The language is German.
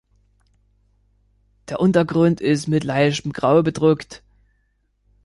Der Untergrund ist mit leichtem Grau bedruckt.